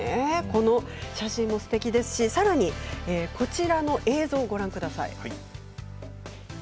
この写真もすてきですし、さらにこちらの映像をご覧ください。